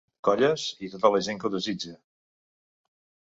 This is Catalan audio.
Colles i tota la gent que ho desitge.